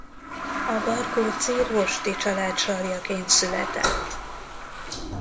A barkóczi Rosty család sarjaként született.